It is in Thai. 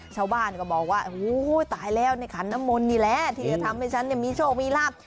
ชาวบ้านก็บอกว่าโอ้โหตายแล้วในขันน้ำมนต์นี่แหละที่จะทำให้ฉันมีโชคมีลาบ